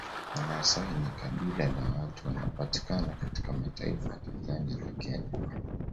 Wamasai ni kabila la watu wanaopatikana katika mataifa ya Tanzania na Kenya